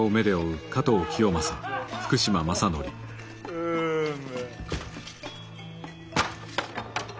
うむ。